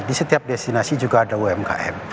di setiap destinasi juga ada umkm